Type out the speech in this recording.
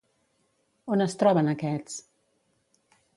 On es troben aquests?